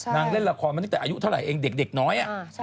เล่นละครมาตั้งแต่อายุเท่าไหร่เองเด็กน้อย